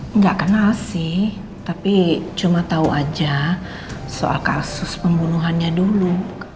enggak kenal sih tapi cuma tahu aja soal kasus pembunuhannya dulu